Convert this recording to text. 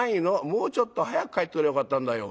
もうちょっと早く帰ってくりゃよかったんだよ。